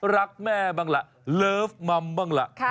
รักแม่บ้างล่ะเลิฟมัมบ้างล่ะ